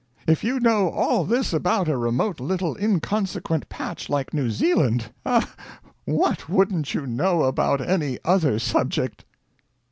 If you know all this about a remote little inconsequent patch like New Zealand, ah, what wouldn't you know about any other Subject!'"